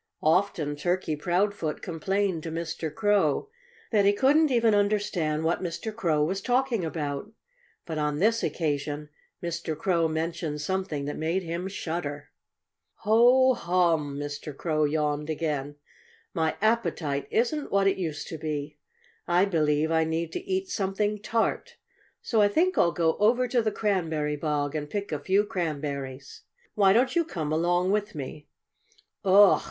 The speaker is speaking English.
Often Turkey Proudfoot complained to Mr. Crow that he couldn't even understand what Mr. Crow was talking about. But on this occasion Mr. Crow mentioned something that made him shudder. "Ho, hum!" Mr. Crow yawned again. "My appetite isn't what it used to be. I believe I need to eat something tart. So I think I'll go over to the cranberry bog and pick a few cranberries. Why don't you come along with me?" "Ugh!"